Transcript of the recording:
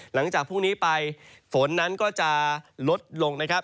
หลังจากพรุ่งนี้ไปฝนนั้นก็จะลดลงนะครับ